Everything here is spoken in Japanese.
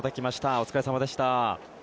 お疲れ様でした。